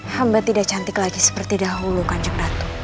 hamba tidak cantik lagi seperti dahulu kancang ratu